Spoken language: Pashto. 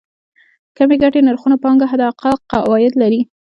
کمې ګټې نرخونو پانګه حداقل عواید لري.